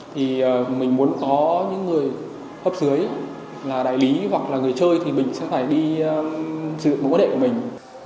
thì mình muốn có những người hấp dưới là đại lý hoặc là người chơi thì mình sẽ phải đi sử dụng mẫu đệ của mình